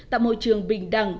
tạo môi trường bình đẳng